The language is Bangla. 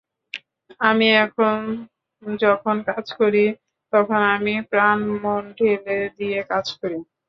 আমি এখন যখন কাজ করি, তখন আমি প্রাণমন ঢেলে দিয়ে কাজ করি।